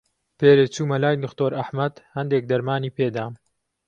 پێرێ چوومە لای دختۆر ئەحمەد، هەندێک دەرمانی پێ دام.